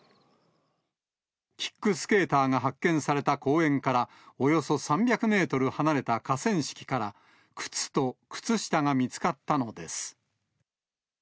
キックスケーターが発見された公園からおよそ３００メートル離れた河川敷から、靴と靴下が見つかったのです。